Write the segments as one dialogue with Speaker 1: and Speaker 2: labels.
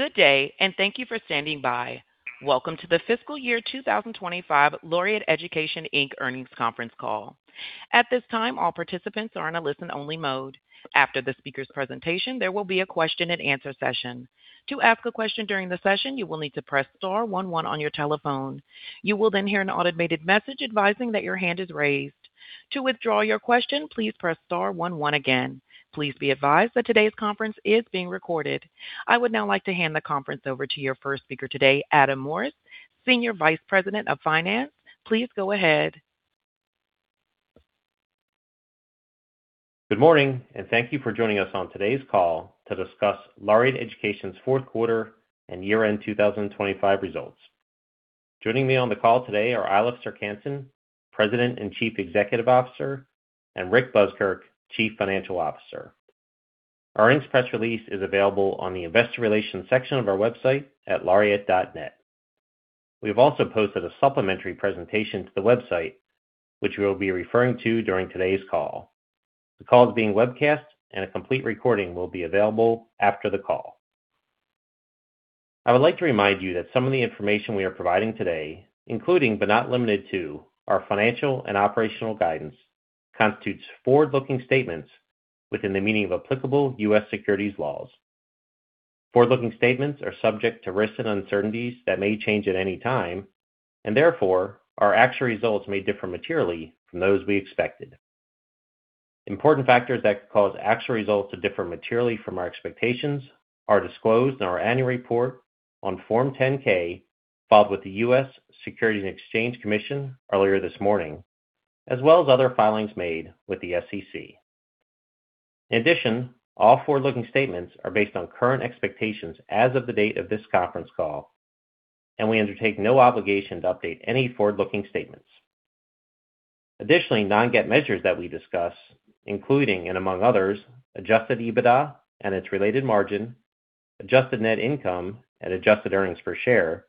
Speaker 1: Good day, and thank you for standing by. Welcome to the fiscal year 2025 Laureate Education, Inc. earnings conference call. At this time, all participants are in a listen-only mode. After the speaker's presentation, there will be a question-and-answer session. To ask a question during the session, you will need to press star one, one on your telephone. You will then hear an automated message advising that your hand is raised. To withdraw your question, please press star one, one again. Please be advised that today's conference is being recorded. I would now like to hand the conference over to your first speaker today, Adam Morse, Senior Vice President of Finance. Please go ahead.
Speaker 2: Good morning, and thank you for joining us on today's call to discuss Laureate Education's fourth quarter and year-end 2025 results. Joining me on the call today are Eilif Serck-Hanssen, President and Chief Executive Officer, and Rick Buskirk, Chief Financial Officer. Our earnings press release is available on the investor relations section of our website at laureate.net. We've also posted a supplementary presentation to the website, which we'll be referring to during today's call. The call is being webcast, and a complete recording will be available after the call. I would like to remind you that some of the information we are providing today, including, but not limited to our financial and operational guidance, constitutes forward-looking statements within the meaning of applicable US securities laws. Forward-looking statements are subject to risks and uncertainties that may change at any time, and therefore, our actual results may differ materially from those we expected. Important factors that could cause actual results to differ materially from our expectations are disclosed in our annual report on Form 10-K, filed with the US Securities and Exchange Commission earlier this morning, as well as other filings made with the SEC. In addition, all forward-looking statements are based on current expectations as of the date of this conference call, and we undertake no obligation to update any forward-looking statements. Additionally, non-GAAP measures that we discuss, including and among others, Adjusted EBITDA and its related margin, Adjusted net income and Adjusted earnings per share,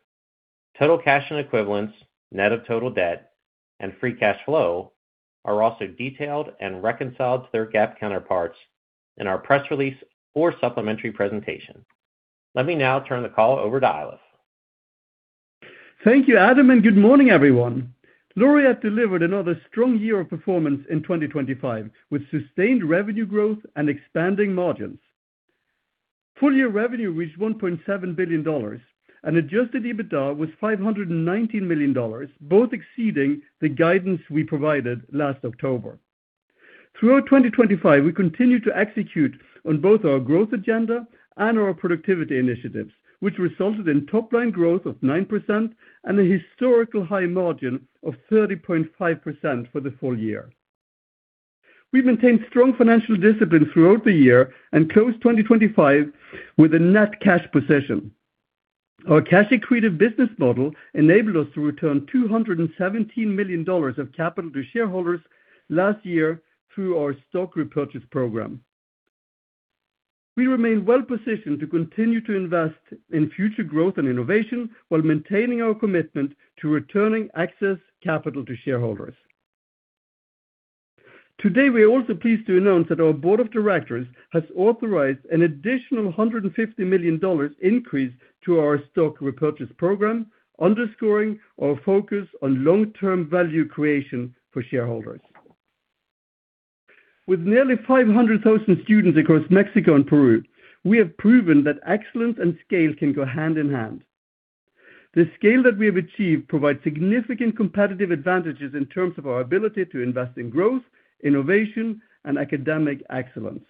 Speaker 2: total cash and equivalents, net of total debt and free cash flow, are also detailed and reconciled to their GAAP counterparts in our press release or supplementary presentation. Let me now turn the call over to Eilif.
Speaker 3: Thank you, Adam, and good morning, everyone. Laureate delivered another strong year of performance in 2025, with sustained revenue growth and expanding margins. Full-year revenue reached $1.7 billion, and Adjusted EBITDA was $519 million, both exceeding the guidance we provided last October. Throughout 2025, we continued to execute on both our growth agenda and our productivity initiatives, which resulted in top-line growth of 9% and a historical high margin of 30.5% for the full year. We've maintained strong financial discipline throughout the year and closed 2025 with a net cash position. Our cash accretive business model enabled us to return $217 million of capital to shareholders last year through our stock repurchase program. We remain well positioned to continue to invest in future growth and innovation while maintaining our commitment to returning excess capital to shareholders. Today, we are also pleased to announce that our board of directors has authorized an additional $150 million increase to our stock repurchase program, underscoring our focus on long-term value creation for shareholders. With nearly 500,000 students across Mexico and Peru, we have proven that excellence and scale can go hand in hand. The scale that we have achieved provides significant competitive advantages in terms of our ability to invest in growth, innovation, and academic excellence.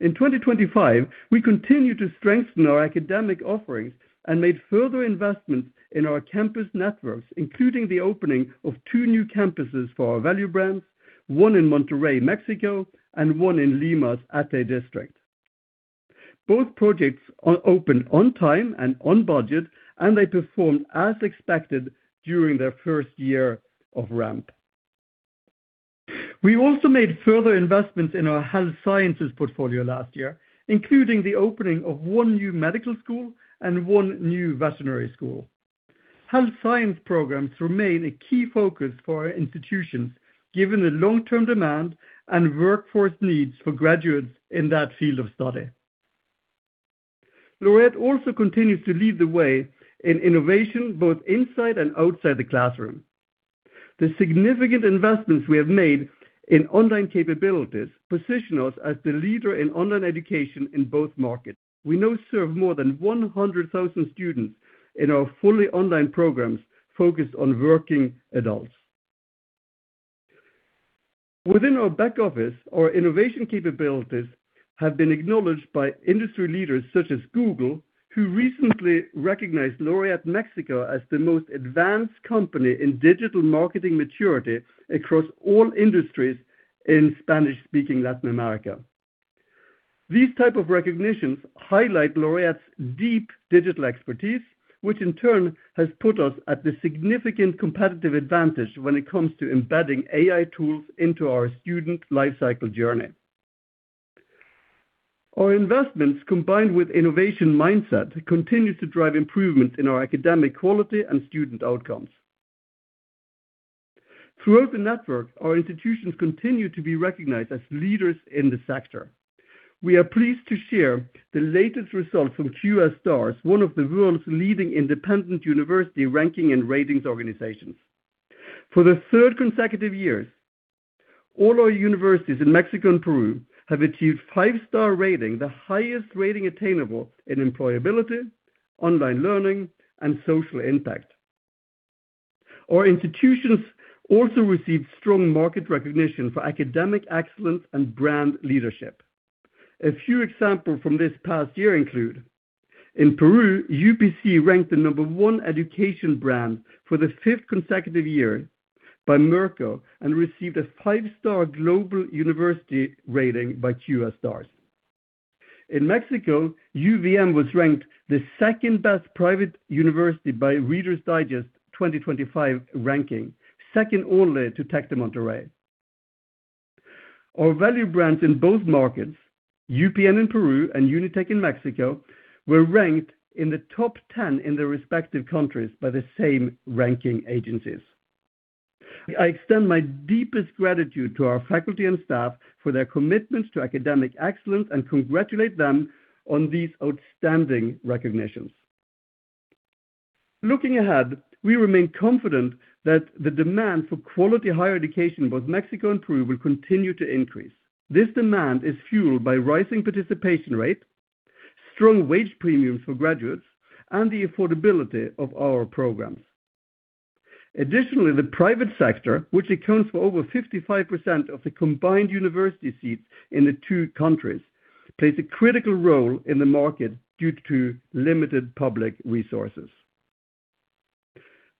Speaker 3: In 2025, we continued to strengthen our academic offerings and made further investments in our campus networks, including the opening of two new campuses for our value brands, one in Monterrey, Mexico, and one in Lima's Ate district. Both projects are opened on time and on budget, and they performed as expected during their first year of ramp. We also made further investments in our health sciences portfolio last year, including the opening of one new medical school and one new veterinary school. Health sciences programs remain a key focus for our institutions, given the long-term demand and workforce needs for graduates in that field of study. Laureate also continues to lead the way in innovation, both inside and outside the classroom. The significant investments we have made in online capabilities position us as the leader in online education in both markets. We now serve more than 100,000 students in our fully online programs focused on working adults. Within our back office, our innovation capabilities have been acknowledged by industry leaders such as Google, who recently recognized Laureate Mexico as the most advanced company in digital marketing maturity across all industries in Spanish-speaking Latin America. These type of recognitions highlight Laureate's deep digital expertise, which in turn has put us at the significant competitive advantage when it comes to embedding AI tools into our student lifecycle journey. Our investments, combined with innovation mindset, continues to drive improvement in our academic quality and student outcomes.... Throughout the network, our institutions continue to be recognized as leaders in the sector. We are pleased to share the latest results from QS Stars, one of the world's leading independent university ranking and ratings organizations. For the third consecutive years, all our universities in Mexico and Peru have achieved five-star rating, the highest rating attainable in employability, online learning, and social impact. Our institutions also received strong market recognition for academic excellence and brand leadership. A few examples from this past year include: in Peru, UPC ranked the number one education brand for the fifth consecutive year by Merco and received a five-star global university rating by QS Stars. In Mexico, UVM was ranked the second-best private university by Reader's Digest 2025 ranking, second only to Tec de Monterrey. Our value brands in both markets, UPN in Peru and UNITEC in Mexico, were ranked in the top 10 in their respective countries by the same ranking agencies. I extend my deepest gratitude to our faculty and staff for their commitments to academic excellence, and congratulate them on these outstanding recognitions. Looking ahead, we remain confident that the demand for quality higher education in both Mexico and Peru will continue to increase. This demand is fueled by rising participation rate, strong wage premiums for graduates, and the affordability of our programs. Additionally, the private sector, which accounts for over 55% of the combined university seats in the two countries, plays a critical role in the market due to limited public resources.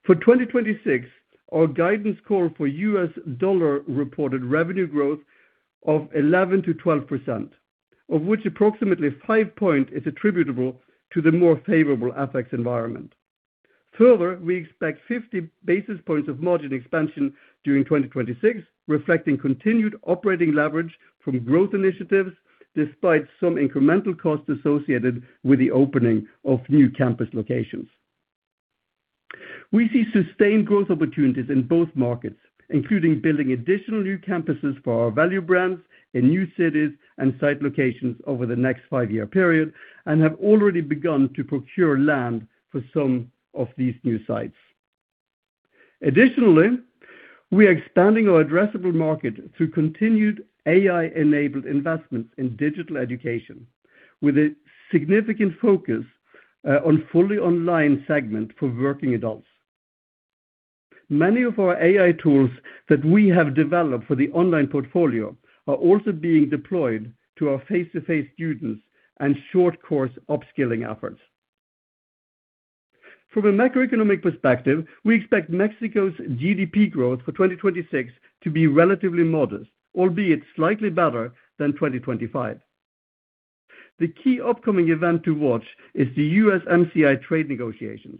Speaker 3: For 2026, our guidance calls for US dollar reported revenue growth of 11%-12%, of which approximately five points is attributable to the more favorable FX environment. Further, we expect 50 basis points of margin expansion during 2026, reflecting continued operating leverage from growth initiatives, despite some incremental costs associated with the opening of new campus locations. We see sustained growth opportunities in both markets, including building additional new campuses for our value brands in new cities and site locations over the next five-year period, and have already begun to procure land for some of these new sites. Additionally, we are expanding our addressable market through continued AI-enabled investments in digital education, with a significant focus on fully online segment for working adults. Many of our AI tools that we have developed for the online portfolio are also being deployed to our face-to-face students and short course upskilling efforts. From a macroeconomic perspective, we expect Mexico's GDP growth for 2026 to be relatively modest, albeit slightly better than 2025. The key upcoming event to watch is the USMCA trade negotiations.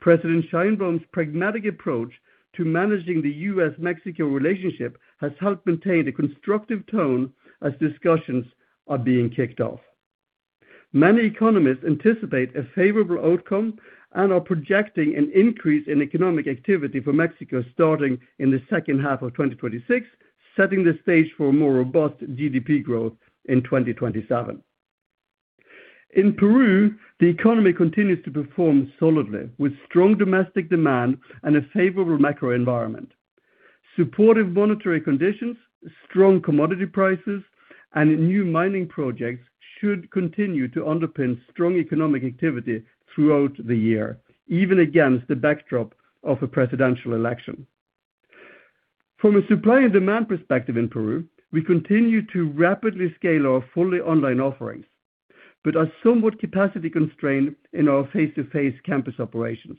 Speaker 3: President Sheinbaum's pragmatic approach to managing the US-Mexico relationship has helped maintain a constructive tone as discussions are being kicked off. Many economists anticipate a favorable outcome and are projecting an increase in economic activity for Mexico starting in the second half of 2026, setting the stage for more robust GDP growth in 2027. In Peru, the economy continues to perform solidly, with strong domestic demand and a favorable macro environment. Supportive monetary conditions, strong commodity prices, and new mining projects should continue to underpin strong economic activity throughout the year, even against the backdrop of a presidential election. From a supply and demand perspective in Peru, we continue to rapidly scale our fully online offerings, but are somewhat capacity constrained in our face-to-face campus operations.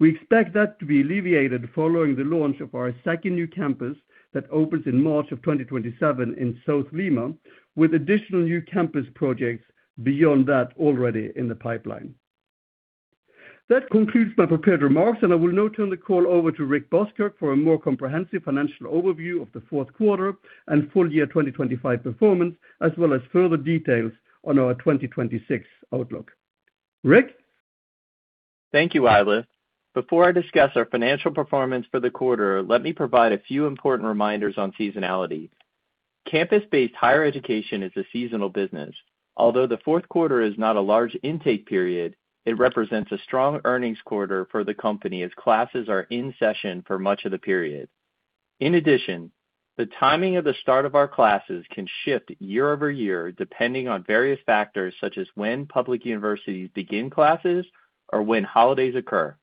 Speaker 3: We expect that to be alleviated following the launch of our second new campus that opens in March of 2027 in South Lima, with additional new campus projects beyond that already in the pipeline. That concludes my prepared remarks, and I will now turn the call over to Rick Buskirk for a more comprehensive financial overview of the fourth quarter and full year 2025 performance, as well as further details on our 2026 outlook. Rick?
Speaker 4: Thank you, Eilif. Before I discuss our financial performance for the quarter, let me provide a few important reminders on seasonality. Campus-based higher education is a seasonal business. Although the fourth quarter is not a large intake period, it represents a strong earnings quarter for the company, as classes are in session for much of the period. In addition, the timing of the start of our classes can shift year-over-year, depending on various factors, such as when public universities begin classes or when holidays occur.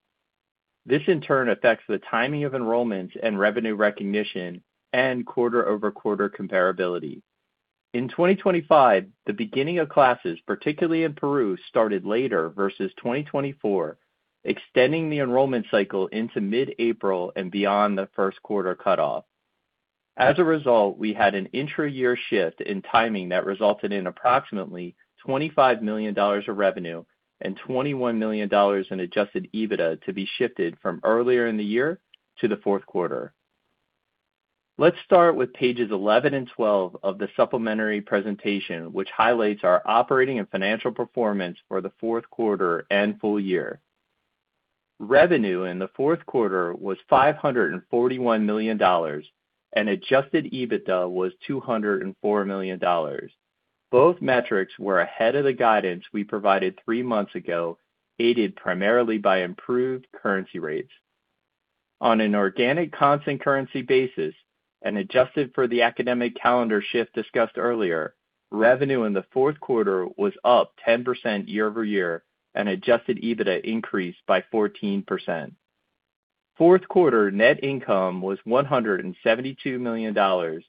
Speaker 4: This, in turn, affects the timing of enrollments and revenue recognition and quarter-over-quarter comparability. In 2025, the beginning of classes, particularly in Peru, started later versus 2024, extending the enrollment cycle into mid-April and beyond the first quarter cutoff. As a result, we had an intra-year shift in timing that resulted in approximately $25 million of revenue and $21 million in Adjusted EBITDA to be shifted from earlier in the year to the fourth quarter. Let's start with pages 11 and 12 of the supplementary presentation, which highlights our operating and financial performance for the fourth quarter and full year. Revenue in the fourth quarter was $541 million, and Adjusted EBITDA was $204 million. Both metrics were ahead of the guidance we provided three months ago, aided primarily by improved currency rates. On an Organic Constant Currency basis, and adjusted for the academic calendar shift discussed earlier, revenue in the fourth quarter was up 10% year-over-year, and Adjusted EBITDA increased by 14%. Fourth quarter net income was $172 million,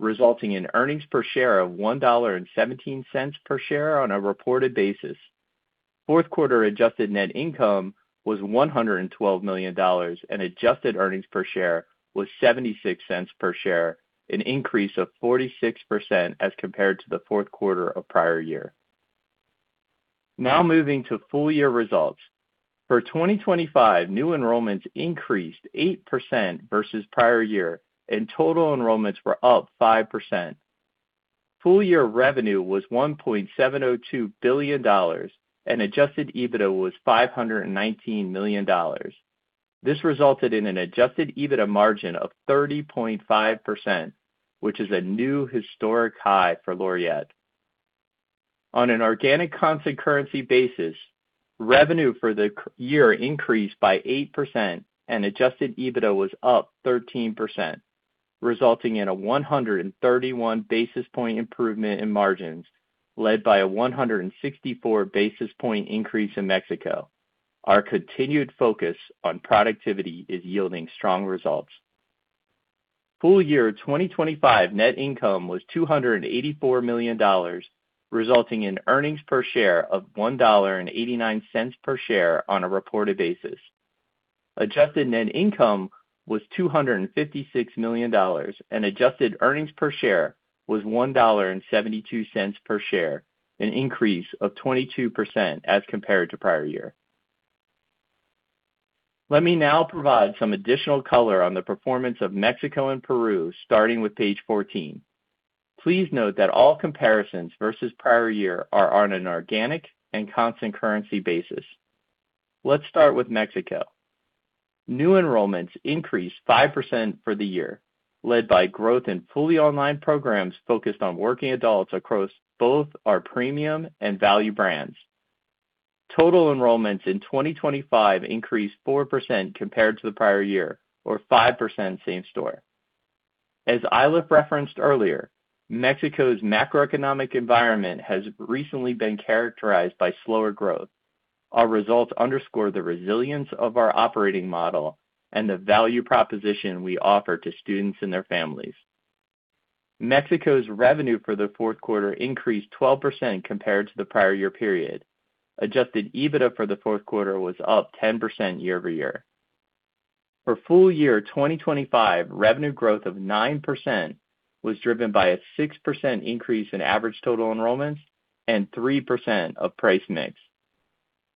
Speaker 4: resulting in earnings per share of $1.17 per share on a reported basis. Fourth quarter adjusted net income was $112 million, and adjusted earnings per share was $0.76 per share, an increase of 46% as compared to the fourth quarter of prior year. Now moving to full year results. For 2025, new enrollments increased 8% versus prior year, and total enrollments were up 5%. Full year revenue was $1.702 billion, and Adjusted EBITDA was $519 million. This resulted in an Adjusted EBITDA margin of 30.5%, which is a new historic high for Laureate. On an Organic Constant Currency basis, revenue for the CY year increased by 8%, and Adjusted EBITDA was up 13%, resulting in a 131 basis point improvement in margins, led by a 164 basis point increase in Mexico. Our continued focus on productivity is yielding strong results. Full year 2025 net income was $284 million, resulting in earnings per share of $1.89 per share on a reported basis. Adjusted net income was $256 million, and adjusted earnings per share was $1.72 per share, an increase of 22% as compared to prior year. Let me now provide some additional color on the performance of Mexico and Peru, starting with page 14. Please note that all comparisons versus prior year are on an organic and constant currency basis. Let's start with Mexico. New enrollments increased 5% for the year, led by growth in fully online programs focused on working adults across both our premium and value brands. Total enrollments in 2025 increased 4% compared to the prior year, or 5% same store. As Eilif referenced earlier, Mexico's macroeconomic environment has recently been characterized by slower growth. Our results underscore the resilience of our operating model and the value proposition we offer to students and their families. Mexico's revenue for the fourth quarter increased 12% compared to the prior year period. Adjusted EBITDA for the fourth quarter was up 10% year-over-year. For full year 2025, revenue growth of 9% was driven by a 6% increase in average total enrollments and 3% of price mix.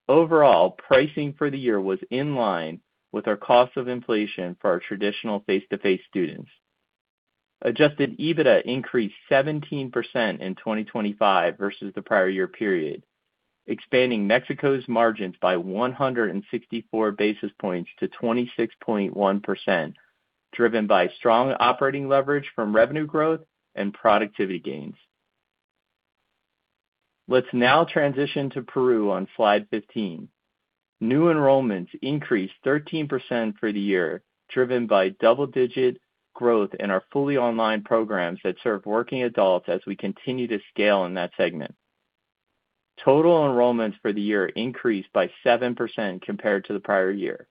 Speaker 4: Overall, pricing for the year was in line with our cost of inflation for our traditional face-to-face students. Adjusted EBITDA increased 17% in 2025 versus the prior year period, expanding Mexico's margins by 164 basis points to 26.1%, driven by strong operating leverage from revenue growth and productivity gains. Let's now transition to Peru on slide 15. New enrollments increased 13% for the year, driven by double-digit growth in our fully online programs that serve working adults as we continue to scale in that segment. Total enrollments for the year increased by 7% compared to the prior year.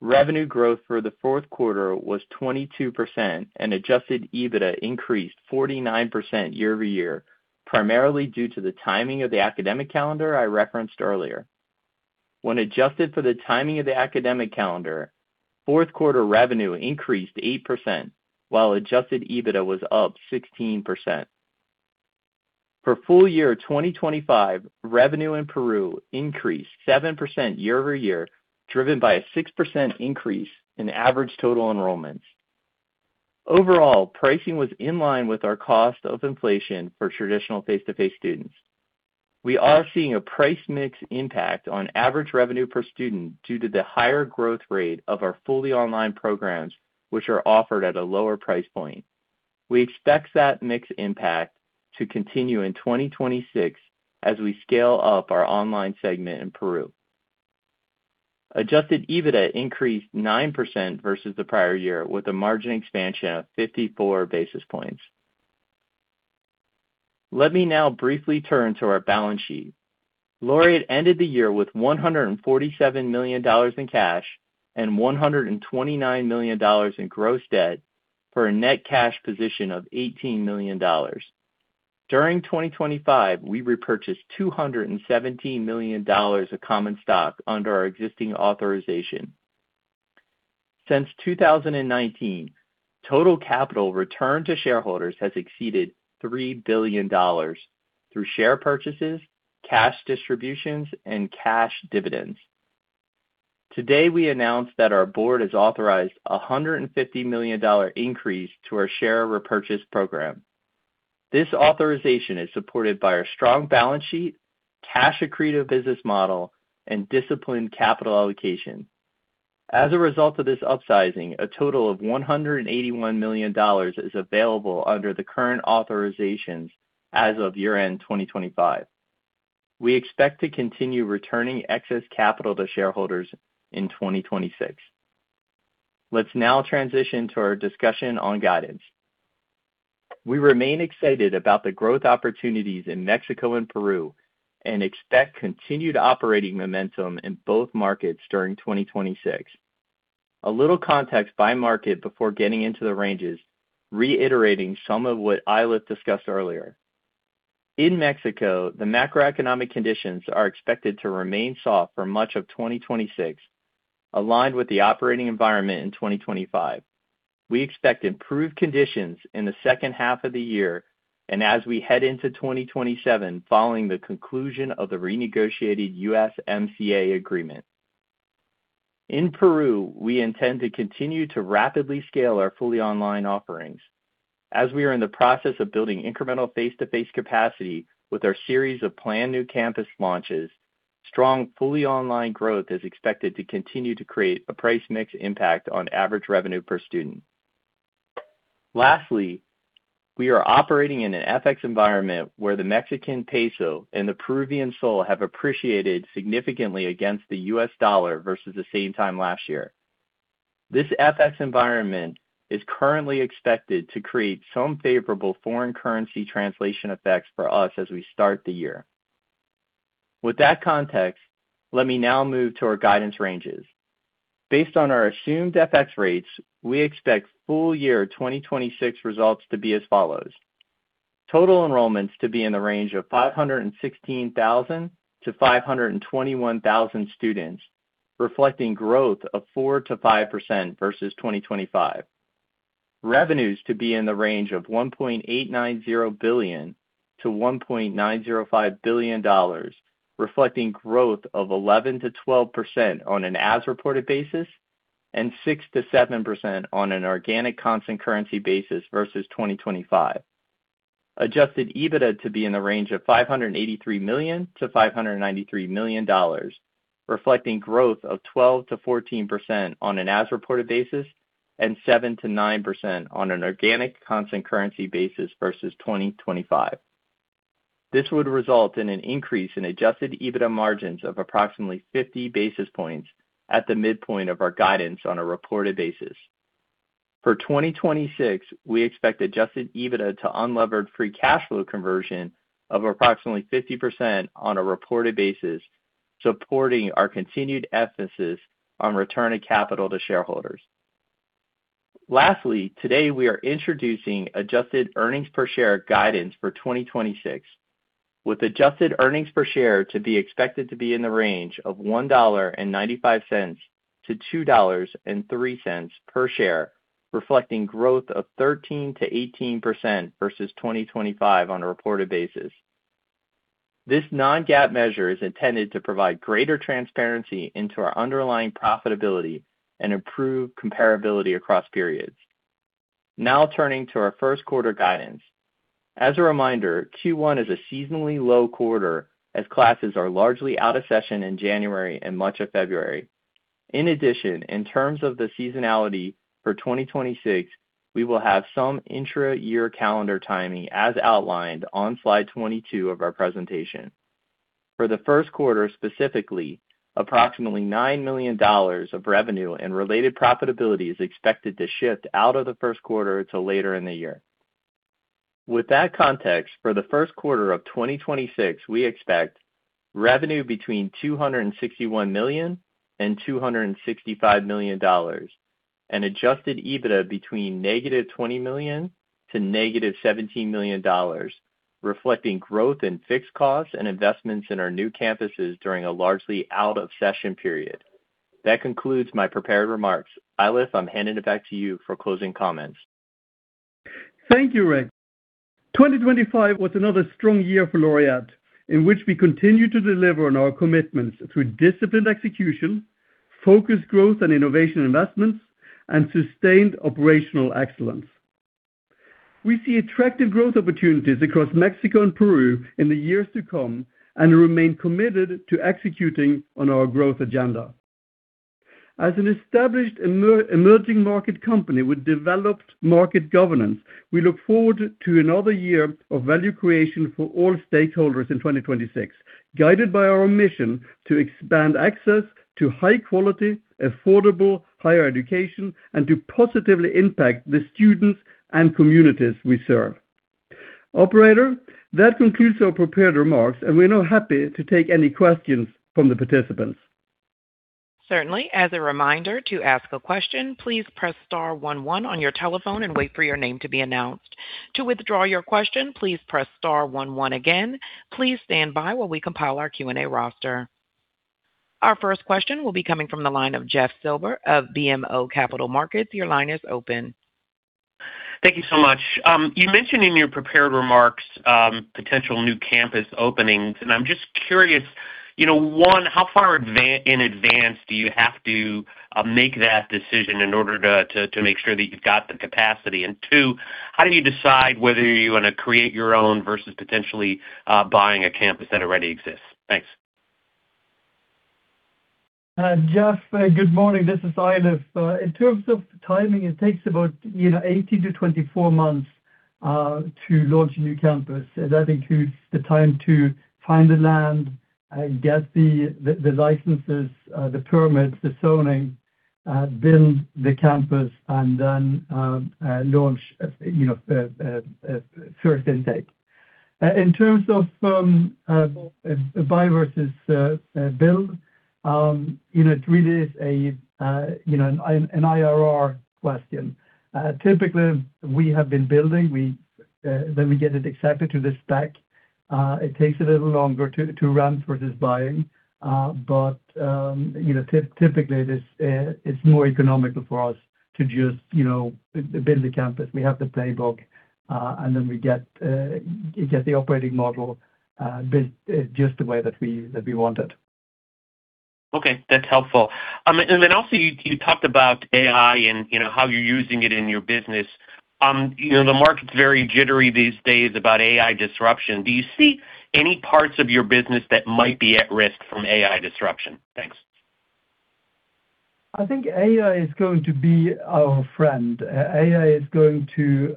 Speaker 4: Revenue growth for the fourth quarter was 22%, and adjusted EBITDA increased 49% year-over-year, primarily due to the timing of the academic calendar I referenced earlier. When adjusted for the timing of the academic calendar, fourth quarter revenue increased 8%, while adjusted EBITDA was up 16%. For full year 2025, revenue in Peru increased 7% year-over-year, driven by a 6% increase in average total enrollments. Overall, pricing was in line with our cost of inflation for traditional face-to-face students. We are seeing a price mix impact on average revenue per student due to the higher growth rate of our fully online programs, which are offered at a lower price point. We expect that mix impact to continue in 2026 as we scale up our online segment in Peru. Adjusted EBITDA increased 9% versus the prior year, with a margin expansion of 54 basis points. Let me now briefly turn to our balance sheet. Laureate ended the year with $147 million in cash and $129 million in gross debt for a net cash position of $18 million. During 2025, we repurchased $217 million of common stock under our existing authorization. Since 2019, total capital return to shareholders has exceeded $3 billion through share purchases, cash distributions, and cash dividends.... Today, we announced that our board has authorized a $150 million increase to our share repurchase program. This authorization is supported by our strong balance sheet, cash accretive business model, and disciplined capital allocation. As a result of this upsizing, a total of $181 million is available under the current authorizations as of year-end 2025. We expect to continue returning excess capital to shareholders in 2026. Let's now transition to our discussion on guidance. We remain excited about the growth opportunities in Mexico and Peru, and expect continued operating momentum in both markets during 2026. A little context by market before getting into the ranges, reiterating some of what Eilif discussed earlier. In Mexico, the macroeconomic conditions are expected to remain soft for much of 2026, aligned with the operating environment in 2025. We expect improved conditions in the second half of the year and as we head into 2027, following the conclusion of the renegotiated USMCA agreement. In Peru, we intend to continue to rapidly scale our fully online offerings. As we are in the process of building incremental face-to-face capacity with our series of planned new campus launches, strong, fully online growth is expected to continue to create a price mix impact on average revenue per student. Lastly, we are operating in an FX environment where the Mexican peso and the Peruvian sol have appreciated significantly against the US dollar versus the same time last year. This FX environment is currently expected to create some favorable foreign currency translation effects for us as we start the year. With that context, let me now move to our guidance ranges. Based on our assumed FX rates, we expect full year 2026 results to be as follows: Total enrollments to be in the range of 516,000-521,000 students, reflecting 4%-5% growth versus 2025. Revenues to be in the range of $1.890 billion-$1.905 billion, reflecting growth of 11%-12% on an as-reported basis and 6%-7% on an organic constant currency basis versus 2025. Adjusted EBITDA to be in the range of $583 million-$593 million, reflecting growth of 12%-14% on an as-reported basis and 7%-9% on an organic constant currency basis versus 2025. This would result in an increase in adjusted EBITDA margins of approximately 50 basis points at the midpoint of our guidance on a reported basis. For 2026, we expect adjusted EBITDA to unlevered free cash flow conversion of approximately 50% on a reported basis, supporting our continued emphasis on returning capital to shareholders. Lastly, today, we are introducing adjusted earnings per share guidance for 2026, with adjusted earnings per share to be expected to be in the range of $1.95-$2.03 per share, reflecting growth of 13%-18% versus 2025 on a reported basis. This non-GAAP measure is intended to provide greater transparency into our underlying profitability and improve comparability across periods. Now turning to our first quarter guidance. As a reminder, Q1 is a seasonally low quarter as classes are largely out of session in January and much of February. In addition, in terms of the seasonality for 2026, we will have some intra-year calendar timing, as outlined on slide 22 of our presentation. For the first quarter, specifically, approximately $9 million of revenue and related profitability is expected to shift out of the first quarter to later in the year. With that context, for the first quarter of 2026, we expect revenue between $261 million and $265 million, an Adjusted EBITDA between -$20 million and -$17 million, reflecting growth in fixed costs and investments in our new campuses during a largely out of session period. That concludes my prepared remarks. Eilif, I'm handing it back to you for closing comments.
Speaker 3: Thank you, Rick. 2025 was another strong year for Laureate, in which we continued to deliver on our commitments through disciplined execution, focused growth and innovation investments, and sustained operational excellence. We see attractive growth opportunities across Mexico and Peru in the years to come and remain committed to executing on our growth agenda. As an established emerging market company with developed market governance, we look forward to another year of value creation for all stakeholders in 2026, guided by our mission to expand access to high quality, affordable, higher education and to positively impact the students and communities we serve. Operator, that concludes our prepared remarks, and we're now happy to take any questions from the participants.
Speaker 1: Certainly. As a reminder, to ask a question, please press star one one on your telephone and wait for your name to be announced. To withdraw your question, please press star one one again. Please stand by while we compile our Q&A roster. Our first question will be coming from the line of Jeff Silber of BMO Capital Markets. Your line is open.
Speaker 5: ...Thank you so much. You mentioned in your prepared remarks potential new campus openings, and I'm just curious, you know, one, how far in advance do you have to make that decision in order to make sure that you've got the capacity? And two, how do you decide whether you want to create your own versus potentially buying a campus that already exists? Thanks.
Speaker 3: Jeff, good morning. This is Eilif. In terms of timing, it takes about, you know, 18-24 months to launch a new campus. And that includes the time to find the land, get the licenses, the permits, the zoning, build the campus, and then, launch, you know, first intake. In terms of buy versus build, you know, it really is a, you know, an IRR question. Typically, we have been building. We, when we get it accepted to the stack, it takes a little longer to run versus buying. But, you know, typically, it is, it's more economical for us to just, you know, build the campus. We have the playbook, and then we get the operating model built, just the way that we want it.
Speaker 5: Okay, that's helpful. And then also, you, you talked about AI and, you know, how you're using it in your business. You know, the market's very jittery these days about AI disruption. Do you see any parts of your business that might be at risk from AI disruption? Thanks.
Speaker 3: I think AI is going to be our friend. AI is going to,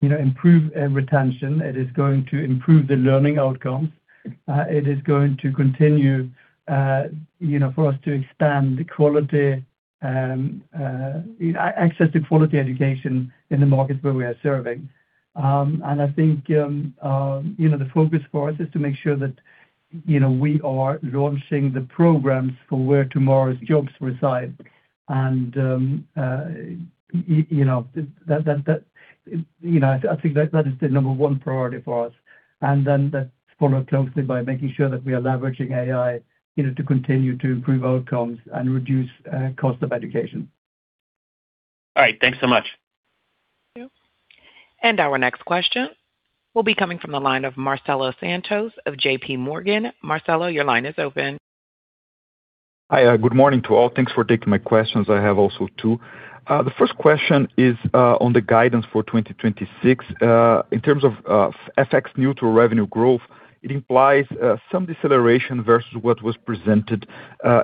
Speaker 3: you know, improve retention. It is going to improve the learning outcomes. It is going to continue, you know, for us to expand the quality, access to quality education in the markets where we are serving. And I think, you know, the focus for us is to make sure that, you know, we are launching the programs for where tomorrow's jobs reside. And, you know, that, that, that, you know, I think that is the number one priority for us. And then that's followed closely by making sure that we are leveraging AI, you know, to continue to improve outcomes and reduce cost of education.
Speaker 5: All right. Thanks so much.
Speaker 1: Our next question will be coming from the line of Marcelo Santos of JPMorgan. Marcelo, your line is open.
Speaker 6: Hi, good morning to all. Thanks for taking my questions. I have also two. The first question is, on the guidance for 2026. In terms of, FX neutral revenue growth, it implies, some deceleration versus what was presented,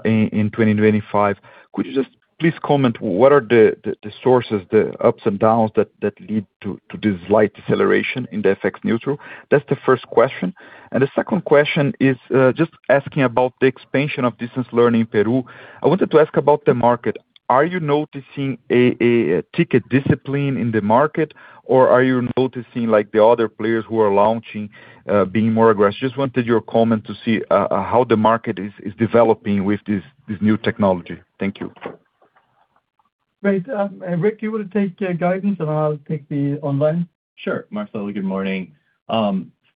Speaker 6: in 2025. Could you just please comment, what are the sources, the ups and downs, that lead to this slight deceleration in the FX neutral? That's the first question. And the second question is, just asking about the expansion of distance learning in Peru. I wanted to ask about the market. Are you noticing a ticket discipline in the market, or are you noticing, like, the other players who are launching, being more aggressive? Just wanted your comment to see, how the market is developing with this new technology. Thank you.
Speaker 3: Great, Rick, you want to take guidance, and I'll take the online?
Speaker 4: Sure. Marcelo, good morning.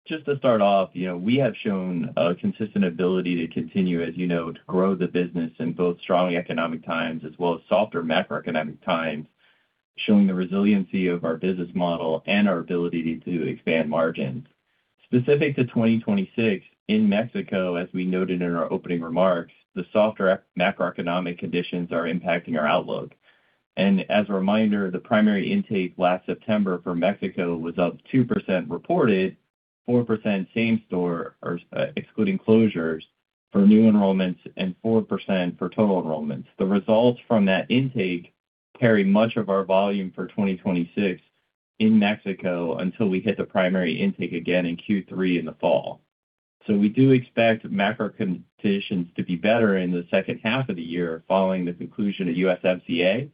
Speaker 4: Just to start off, you know, we have shown a consistent ability to continue, as you know, to grow the business in both strong economic times as well as softer macroeconomic times, showing the resiliency of our business model and our ability to expand margins. Specific to 2026, in Mexico, as we noted in our opening remarks, the softer macroeconomic conditions are impacting our outlook. As a reminder, the primary intake last September for Mexico was up 2% reported, 4% same store or excluding closures for new enrollments and 4% for total enrollments. The results from that intake carry much of our volume for 2026 in Mexico until we hit the primary intake again in Q3 in the fall. So we do expect macro conditions to be better in the second half of the year, following the conclusion of USMCA.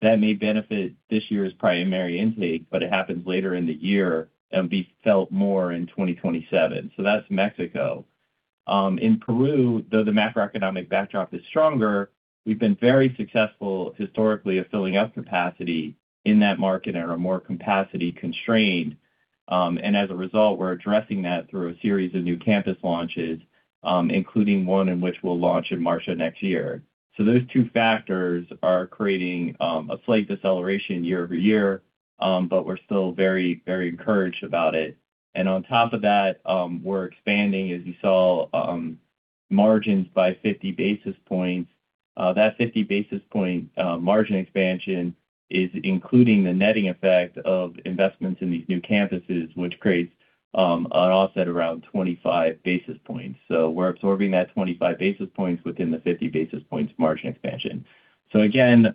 Speaker 4: That may benefit this year's primary intake, but it happens later in the year and be felt more in 2027. So that's Mexico. In Peru, though the macroeconomic backdrop is stronger, we've been very successful historically, at filling up capacity in that market and are more capacity constrained. And as a result, we're addressing that through a series of new campus launches, including one in which we'll launch in March of next year. So those two factors are creating a slight deceleration year-over-year, but we're still very, very encouraged about it. And on top of that, we're expanding, as you saw, margins by 50 basis points. That 50 basis point margin expansion is including the netting effect of investments in these new campuses, which creates an offset around 25 basis points. So we're absorbing that 25 basis points within the 50 basis points margin expansion. So again,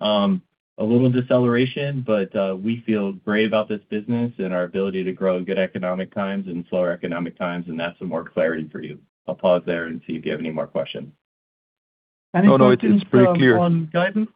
Speaker 4: a little deceleration, but we feel great about this business and our ability to grow in good economic times and slower economic times, and that's some more clarity for you. I'll pause there and see if you have any more questions.
Speaker 6: No, no, it's pretty clear.
Speaker 3: On guidance?...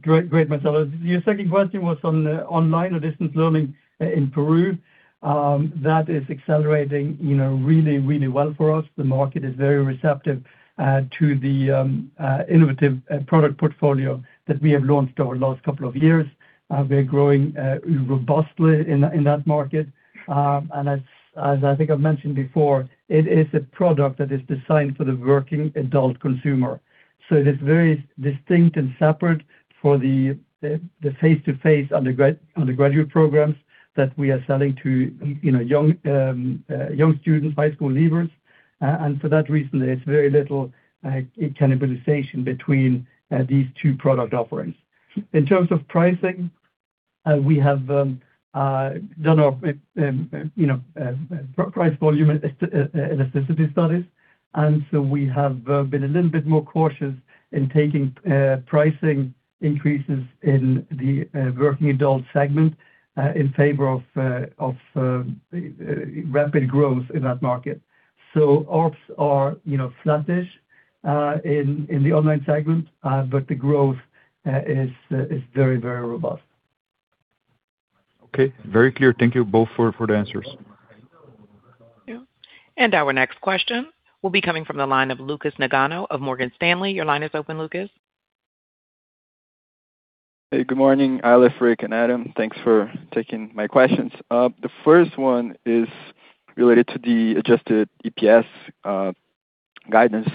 Speaker 3: Great, great, Marcelo. Your second question was on the online or distance learning in Peru. That is accelerating, you know, really, really well for us. The market is very receptive to the innovative product portfolio that we have launched over the last couple of years. We're growing robustly in that market. And as I think I've mentioned before, it is a product that is designed for the working adult consumer. So it is very distinct and separate for the face-to-face undergraduate programs that we are selling to, you know, young students, high school leavers. And for that reason, there's very little cannibalization between these two product offerings.In terms of pricing, we have done our, you know, price volume elasticity studies, and so we have been a little bit more cautious in taking pricing increases in the working adult segment in favor of rapid growth in that market. So ops are, you know, flattish in the online segment, but the growth is very, very robust.
Speaker 6: Okay. Very clear. Thank you both for the answers.
Speaker 1: Our next question will be coming from the line of Lucas Nagano of Morgan Stanley. Your line is open, Lucas.
Speaker 7: Hey, good morning, Eilif, Rick, and Adam. Thanks for taking my questions. The first one is related to the adjusted EPS guidance.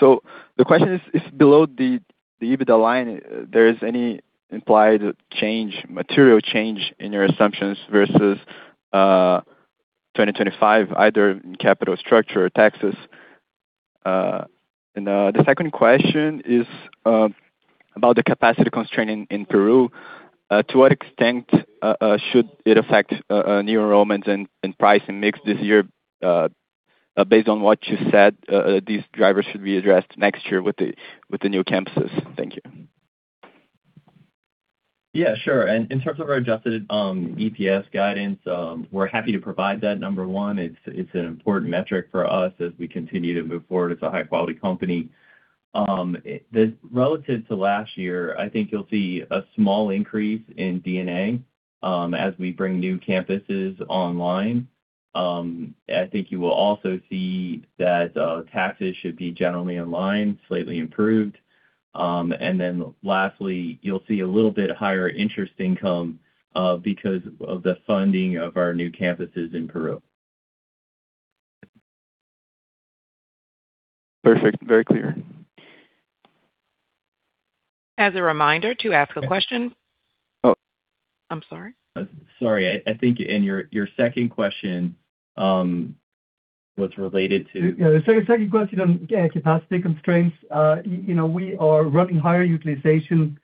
Speaker 7: So the question is, if below the EBITDA line, there is any implied change, material change in your assumptions versus 2025, either in capital structure or taxes? And the second question is about the capacity constraint in Peru. To what extent should it affect new enrollments and pricing mix this year, based on what you said, these drivers should be addressed next year with the new campuses? Thank you.
Speaker 4: Yeah, sure. And in terms of our adjusted EPS guidance, we're happy to provide that. Number one, it's an important metric for us as we continue to move forward as a high-quality company. Relative to last year, I think you'll see a small increase in D&A as we bring new campuses online. I think you will also see that taxes should be generally in line, slightly improved. Then lastly, you'll see a little bit higher interest income because of the funding of our new campuses in Peru.
Speaker 7: Perfect. Very clear.
Speaker 1: As a reminder, to ask a question-
Speaker 7: Oh!
Speaker 1: I'm sorry.
Speaker 4: Sorry. I think in your second question was related to-
Speaker 3: Yeah, the second question on, yeah, capacity constraints. You know, we are running higher utilization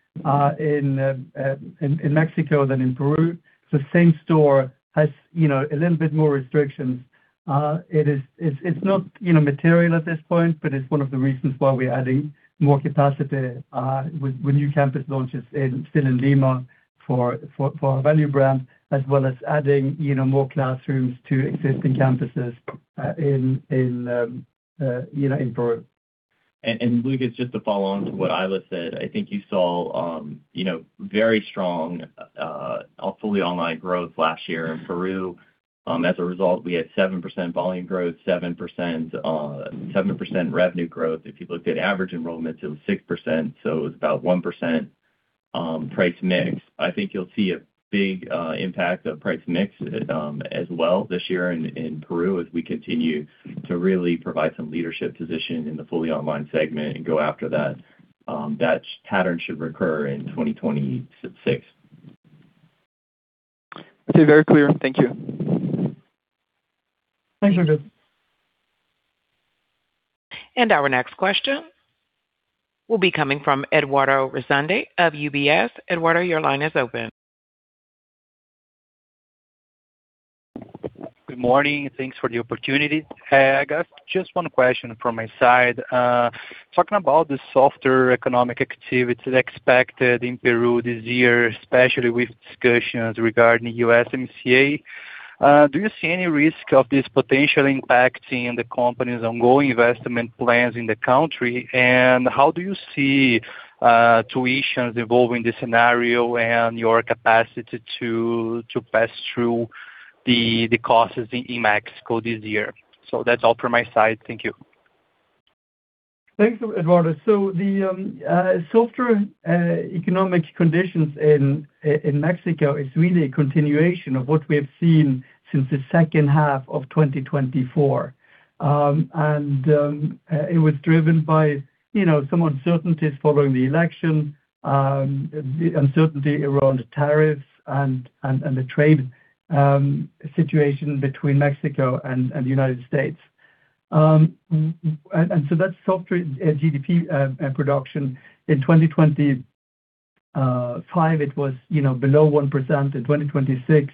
Speaker 3: in Mexico than in Peru. So same store has, you know, a little bit more restrictions. It's not, you know, material at this point, but it's one of the reasons why we're adding more capacity with new campus launches in still in Lima for our value brand, as well as adding, you know, more classrooms to existing campuses in Peru.
Speaker 4: And, Lucas, just to follow on to what Eilif said, I think you saw, you know, very strong, fully online growth last year in Peru. As a result, we had 7% volume growth, 7%, 7% revenue growth. If you looked at average enrollments, it was 6%, so it was about 1%, price mix. I think you'll see a big, impact of price mix, as well this year in Peru, as we continue to really provide some leadership position in the fully online segment and go after that. That pattern should recur in 2026.
Speaker 7: Very clear. Thank you.
Speaker 3: Thanks, Lucas.
Speaker 1: Our next question will be coming from Eduardo Resende of UBS. Eduardo, your line is open.
Speaker 8: Good morning, and thanks for the opportunity. I got just one question from my side. Talking about the softer economic activity expected in Peru this year, especially with discussions regarding USMCA, do you see any risk of this potentially impacting the company's ongoing investment plans in the country? And how do you see tuitions evolving the scenario and your capacity to pass through the costs in Mexico this year? So that's all from my side. Thank you.
Speaker 3: Thanks, Eduardo. So the softer economic conditions in Mexico is really a continuation of what we have seen since the second half of 2024. It was driven by, you know, some uncertainties following the election, the uncertainty around tariffs and the trade situation between Mexico and the United States. So that softer GDP production in 2025, it was, you know, below 1%. In 2026,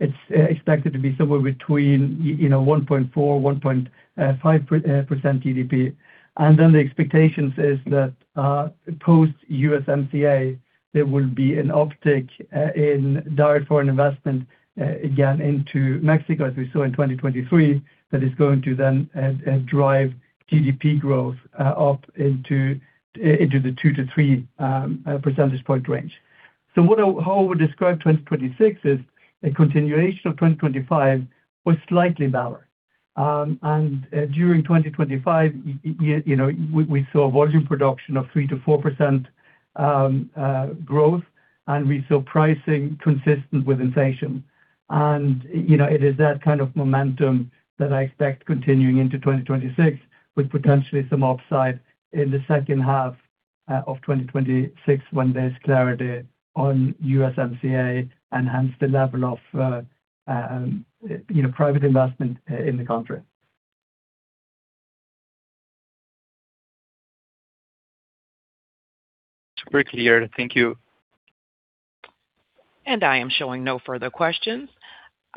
Speaker 3: it's expected to be somewhere between, you know, 1.4%-1.5% GDP. Then the expectations is that, post-USMCA, there will be an uptick in direct foreign investment, again, into Mexico, as we saw in 2023, that is going to then drive GDP growth up into the 2-3 percentage point range. So what I... How I would describe 2026 is a continuation of 2025, but slightly better. And during 2025, you know, we saw volume production of 3%-4% growth, and we saw pricing consistent with inflation. And, you know, it is that kind of momentum that I expect continuing into 2026, with potentially some upside in the second half of 2026, when there's clarity on USMCA and hence, the level of, you know, private investment in the country.
Speaker 8: Super clear. Thank you.
Speaker 1: I am showing no further questions.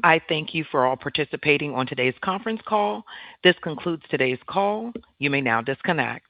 Speaker 1: I thank you for all participating on today's conference call. This concludes today's call. You may now disconnect.